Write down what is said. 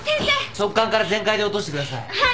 側管から全開で落としてください。